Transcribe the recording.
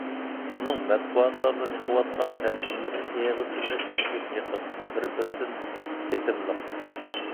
ئۇنىڭ مەتبۇئاتلاردا چىقىۋاتقان تەرجىمىلىرى ئېغىز تىلىغا شۇنچىلىك يېقىن، بىر-بىرىدىن تېتىملىق.